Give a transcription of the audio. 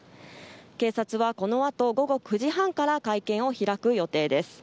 警察はこのあと午後９時半から会見を開く予定です。